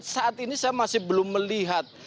saat ini saya masih belum melihat